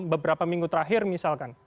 beberapa minggu terakhir misalkan